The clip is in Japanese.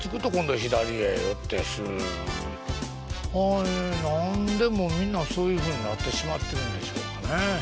あれ何でもうみんなそういうふうになってしまってるんでしょうかね。